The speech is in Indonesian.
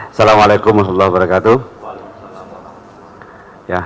assalamu'alaikum warahmatullahi wabarakatuh